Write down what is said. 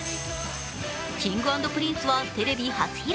Ｋｉｎｇ＆Ｐｒｉｎｃｅはテレビ初披露。